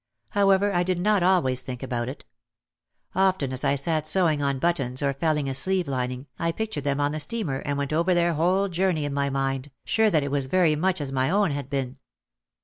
However, I did not always think about it. Often as I sat sewing on buttons or felling a sleeve lining I pictured them on the steamer and went over their whole journey in my mind, sure that it was very much as my own had been.